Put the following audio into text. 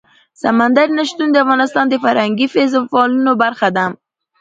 سمندر نه شتون د افغانستان د فرهنګي فستیوالونو برخه ده.